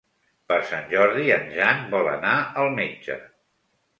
Per Sant Jordi en Jan vol anar al metge.